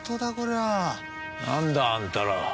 なんだ？あんたら。